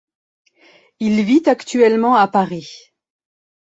Il vit actuellement à Paris.